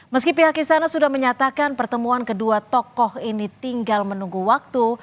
meski pihak istana sudah menyatakan pertemuan kedua tokoh ini tinggal menunggu waktu